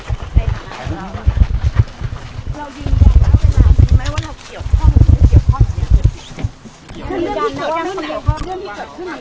เพื่อยืนยันนะครับว่าไม่มีส่วนเกี่ยวข้อมูลของคุณครับ